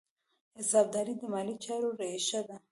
حسابداري د مالي چارو ریښه ده.